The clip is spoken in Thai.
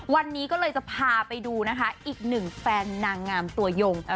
วันนี้ก็เลยจะพาไปดูนะคะอีกหนึ่งแฟนนางงามตัวยง